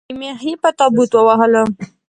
اخري مېخ یې په تابوت ووهلو